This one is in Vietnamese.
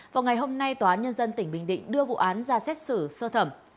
vào ngày hôm nay tòa án nhân dân tỉnh bình định đưa vụ án ra xét xử sơ thẩm